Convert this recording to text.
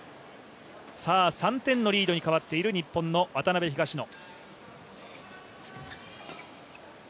３点のリードに変わっている日本の渡辺・東野。